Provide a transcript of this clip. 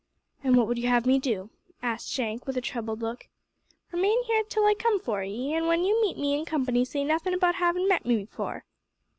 "And what would you have me do?" asked Shank, with a troubled look. "Remain here till I come for 'ee, and when you meet me in company say nothin' about havin' met me before."